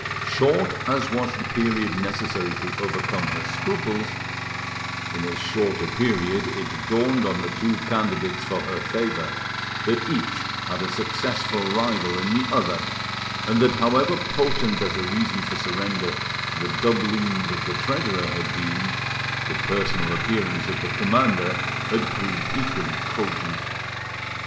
Short as was the period necessary to overcome her scruples, in as short a period it dawned on the two candidates for her favour that each had a successful rival in the other, and that however potent as a reason for surrender the doubloons of the treasurer had been, the personal appearance of the commander had proved equally cogent.